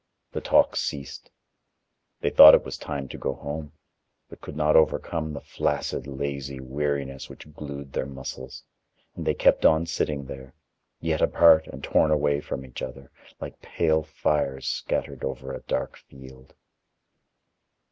The talk ceased. They thought it was time to go home, but could not overcome the flaccid lazy weariness which glued their muscles, and they kept on sitting there, yet apart and torn away from each other, like pale fires scattered over a dark field.